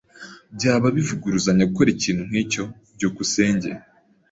Byaba bivuguruzanya gukora ikintu nkicyo. byukusenge